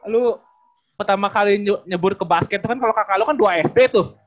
lu pertama kali nyebur ke basket itu kan kalau kakak lo kan dua sd tuh